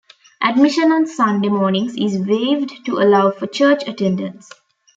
Admission on Sunday mornings is waived to allow for church attendance.